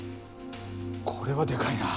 これはでかいな！